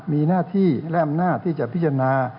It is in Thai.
มีหน้าที่และอำนาจที่จะพิจารณา